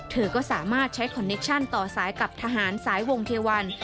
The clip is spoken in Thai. เธอก็สามารถใช้คอนเนคชั่นต่อสายกับทหารสายวงเทวัน